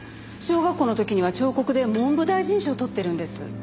小学校の時には彫刻で文部大臣賞を獲ってるんです。